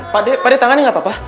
pak d pak d tangannya gapapa